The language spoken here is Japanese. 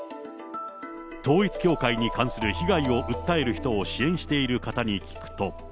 統一教会に関する被害を訴える人を支援している方に聞くと。